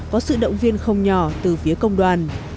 có sự động viên không nhỏ từ phía công đoàn